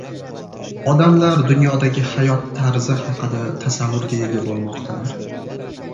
Odamlar dunyodagi hayot tarzi haqida tasavvurga ega bo‘lmoqdalar.